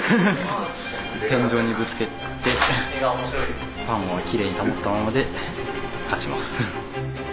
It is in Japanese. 天井にぶつけてパンをきれいに保ったままで勝ちます。